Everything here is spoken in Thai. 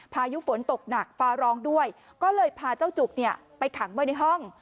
พายุฝนตกหนักฟ้าร้องด้วยก็เลยพาเจ้าจุกเนี่ยไปขังไว้ในห้อง